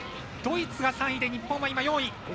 ドイツが３位で日本は今、４位。